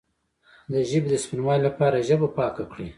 د ژبې د سپینوالي لپاره ژبه پاکه کړئ